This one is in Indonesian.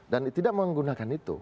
dan tidak menggunakan itu